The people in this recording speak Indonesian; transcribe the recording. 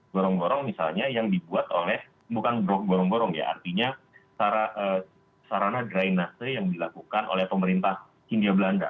gorong gorong misalnya yang dibuat oleh bukan gorong gorong ya artinya sarana drainase yang dilakukan oleh pemerintah hindia belanda